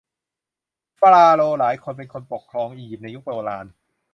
ฟาโรห์หลายคนเป็นคนปกครองอิยิปต์ในยุคโบราณ